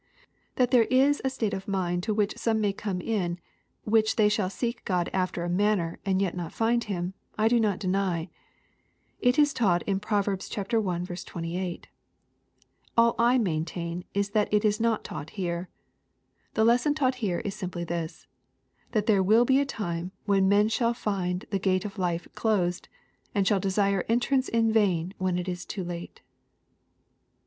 That there is a state of mind to which some may come in which they shall seek G od after a manner, and yet not find Him, I do not deny. It is taught in Prov. i 28. All I mamtain is that it is not taught here. The lesson taught here is simply this, that there will be a time when men shall find the gate of life closed, and shall de» sire entrance in vain when it is too late.